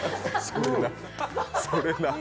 それなー。